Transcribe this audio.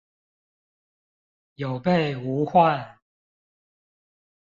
有備無患